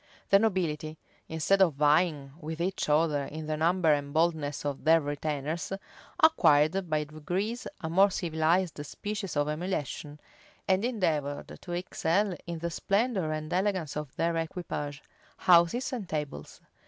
The nobility, instead of vying with each other in the number and boldness of their retainers, acquired by degrees a more civilized species of emulation, and endeavored to excel in the splendor and elegance of their equipage, houses, and tables.